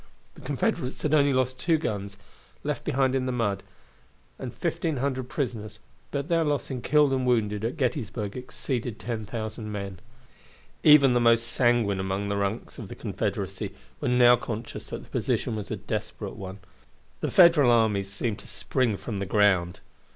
The Confederates lost only two guns, left behind in the mud, and 1,500 prisoners, but their loss in killed and wounded at Gettysburg exceeded 10,000 men. Even the most sanguine among the ranks of the Confederacy were now conscious that the position was a desperate one. The Federal armies seemed to spring from the ground.